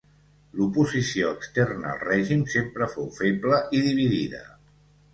L'oposició externa al règim sempre fou feble i dividida.